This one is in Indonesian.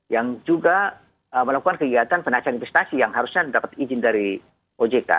yang juga melakukan kegiatan penasihan investasi yang harusnya mendapat izin dari ojk